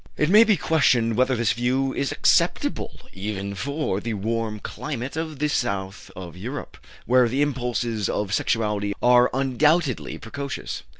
It may be questioned whether this view is acceptable even for the warm climate of the south of Europe, where the impulses of sexuality are undoubtedly precocious.